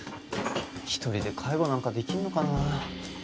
一人で介護なんかできるのかな？